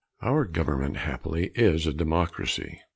Our government, happily, is a democracy.